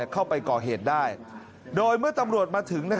เข้าไปก่อเหตุได้โดยเมื่อตำรวจมาถึง